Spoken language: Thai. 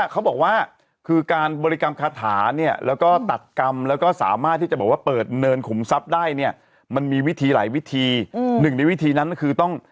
ควรมาได้เนี่ยแล้วก็ตัดกรรมแล้วก็สามารถที่จะบอกว่าเปิดเนินขุมทรัพย์ได้เนี่ยมันมีวิธีหลายวิธีอืมหนึ่งในวิธีนั้นคือต้อง